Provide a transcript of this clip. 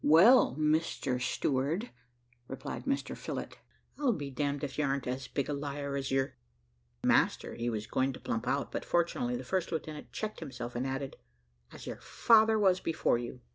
"Well, Mr Steward," replied Mr Phillott, "I'll be damned if you ar'n't as big a liar as your " (master he was going to plump out, but fortunately the first lieutenant checked himself, and added) "as your father was before you."